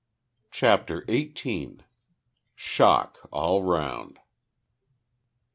CHAPTER EIGHTEEN. SHOCK ALL ROUND.